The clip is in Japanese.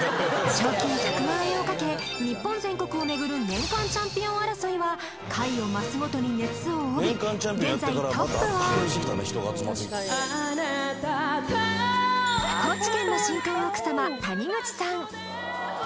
賞金１００万円をかけ日本全国を巡る年間チャンピオン争いは回を増すごとに熱を帯びあなたと高知県の新婚奥様